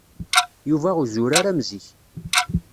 Yuba ur zur ara am zik.